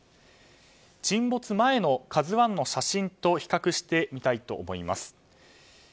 沈没前の「ＫＡＺＵ１」の写真と比較してみたいと思います。